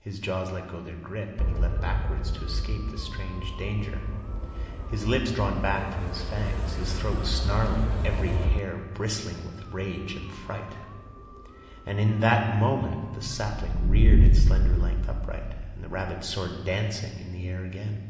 His jaws let go their grip, and he leaped backward to escape this strange danger, his lips drawn back from his fangs, his throat snarling, every hair bristling with rage and fright. And in that moment the sapling reared its slender length upright and the rabbit soared dancing in the air again.